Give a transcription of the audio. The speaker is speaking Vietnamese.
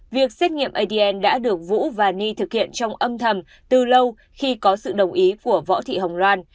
việc xét nghiệm adn đã được vũ và ni thực hiện trong âm thầm từ lâu khi có sự đồng ý của võ thị hồng loan